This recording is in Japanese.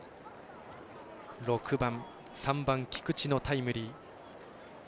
３番、菊地のタイムリー。